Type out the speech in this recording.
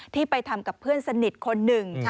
ไปทำกับเพื่อนสนิทคนหนึ่ง